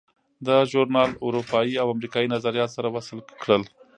دا ژورنال اروپایي او امریکایي نظریات سره وصل کړل.